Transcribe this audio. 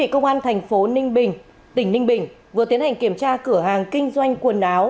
công an thành phố ninh bình tỉnh ninh bình vừa tiến hành kiểm tra cửa hàng kinh doanh quần áo